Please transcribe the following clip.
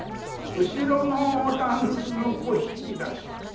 後ろのタンスの小引き出し